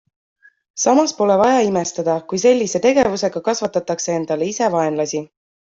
Samas pole vaja imestada, kui sellise tegevusega kasvatatakse endale ise vaenlasi.